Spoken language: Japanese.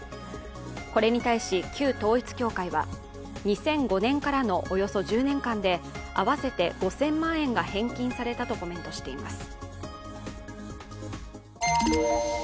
これに対し、旧統一教会は２００５年からのおよそ１０年間で合わせて５０００万円が返金されたとコメントしています。